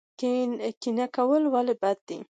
کینه کول ولې بد دي؟